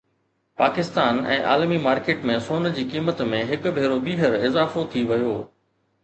پاڪستان ۽ عالمي مارڪيٽ ۾ سون جي قيمت ۾ هڪ ڀيرو ٻيهر اضافو ٿي ويو